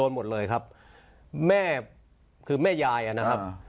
หมดเลยครับแม่คือแม่ยายนะครับ